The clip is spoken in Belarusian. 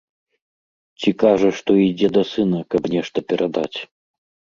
Ці кажа, што ідзе да сына, каб нешта перадаць.